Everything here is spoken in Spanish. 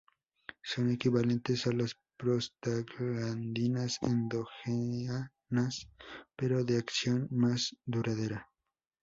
Son equivalentes a las prostaglandinas endógenas, pero de acción más duradera.